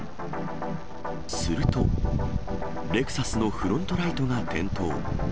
すると、レクサスのフロントライトが点灯。